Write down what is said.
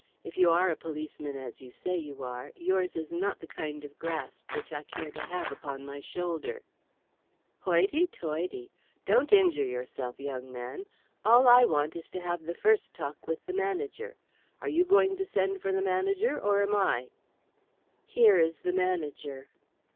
If you are a policeman, as you say you are, yours is not the kind of grasp which I care to have upon my shoulder." "Hoity toity! Don't you injure yourself, young man. All I want is to have the first talk with the manager. Are you going to send for the manager, or am I?" "Here is the manager."